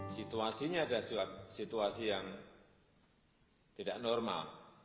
situasinya adalah situasi yang tidak normal